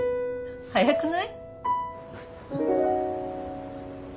早くない？